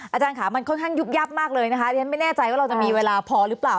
อาจารย์ค่ะมันค่อนข้างยุบยับมากเลยนะคะเรียนไม่แน่ใจว่าเราจะมีเวลาพอหรือเปล่า